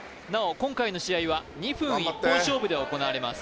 今回の試合は２分一本勝負で行われます